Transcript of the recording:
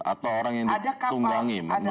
atau orang yang ditunggangi menurut anda